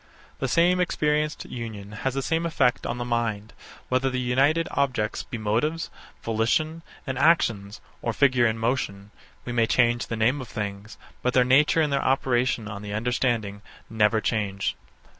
The same experienced union has the same effect on the mind, whether the united objects be motives, volition, and actions; or figure and motion. We may change the name of things; but their nature and their operation on the understanding never change.